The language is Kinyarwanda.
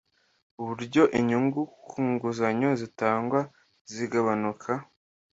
uburyo inyungu ku nguzanyo zitangwa zagabanuka